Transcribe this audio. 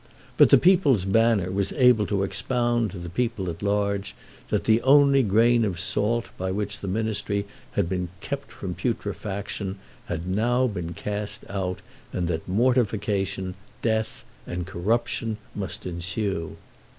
But the "People's Banner" was able to expound to the people at large that the only grain of salt by which the Ministry had been kept from putrefaction had been now cast out, and that mortification, death, and corruption, must ensue.